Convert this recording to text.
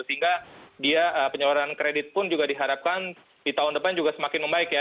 sehingga dia penyeluruhan kredit pun juga diharapkan di tahun depan juga semakin membaik ya